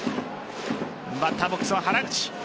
バッターボックスは原口。